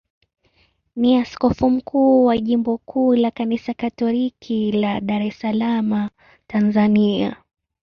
ni askofu mkuu wa jimbo kuu la Kanisa Katoliki la Dar es Salaam, Tanzania.